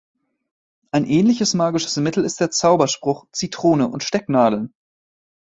Ein ähnliches magisches Mittel ist der Zauberspruch „Zitrone und Stecknadeln“.